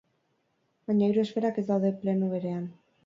Baina hiru esferak ez daude plano berean.